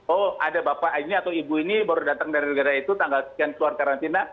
oh ada bapak ini atau ibu ini baru datang dari negara itu tanggal sekian keluar karantina